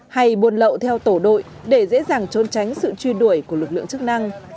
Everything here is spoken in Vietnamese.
hay buôn lậu theo tổ đội để dễ dàng trốn tránh sự truy đuổi của lực lượng chức năng